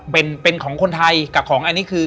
เป็นเป็นของคนไทยกับของอันนี้คือ